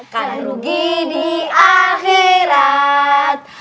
kan rugi di akhirat